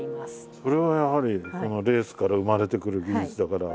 それはやはりレースから生まれてくる技術だから。